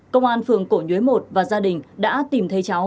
công an phường cổ nhuế một và gia đình đã tìm thấy cháu